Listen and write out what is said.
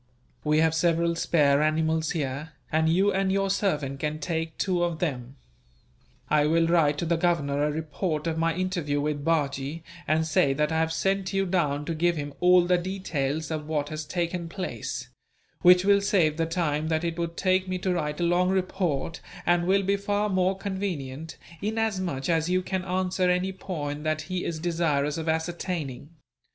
We have several spare animals here, and you and your servant can take two of them. I will write to the Governor a report of my interview with Bajee, and say that I have sent you down to give him all the details of what has taken place; which will save the time that it would take me to write a long report, and will be far more convenient, inasmuch as you can answer any point that he is desirous of ascertaining.